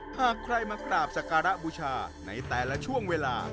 หากใครมากราบสการะบูชาในแต่ละช่วงเวลา